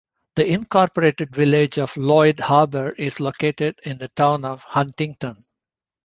The Incorporated Village of Lloyd Harbor is located in the town of Huntington.